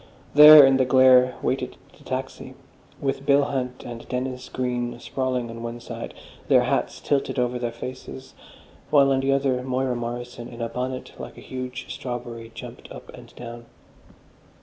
There in the glare waited the taxi, with Bill Hunt and Dennis Green sprawling on one side, their hats tilted over their faces, while on the other, Moira Morrison, in a bonnet like a huge strawberry, jumped up and down.